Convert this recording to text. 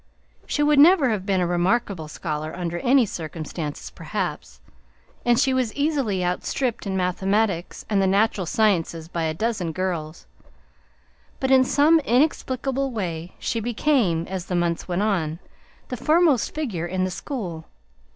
She would never have been a remarkable scholar under any circumstances, perhaps, and she was easily out stripped in mathematics and the natural sciences by a dozen girls, but in some inexplicable way she became, as the months went on, the foremost figure in the school.